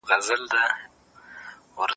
توبه کول د پاکۍ لار ده